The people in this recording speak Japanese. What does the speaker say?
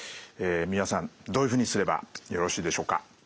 三輪さんどういうふうにすればよろしいでしょうか。